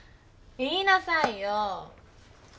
言いなさいよ。